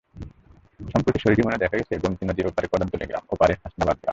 সম্প্রতি সরেজমিনে দেখা গেছে, গোমতী নদীর এপারে কদমতলী গ্রাম, ওপারে হাসনাবাদ গ্রাম।